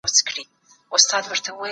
هر نظام چي دا کشش ونه لري له منځه ځي.